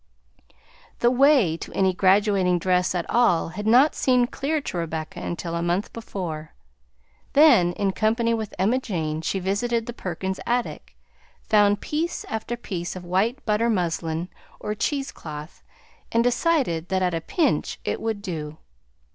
The way to any graduating dress at all had not seemed clear to Rebecca until a month before. Then, in company with Emma Jane, she visited the Perkins attic, found piece after piece of white butter muslin or cheesecloth, and decided that, at a pinch, it would do.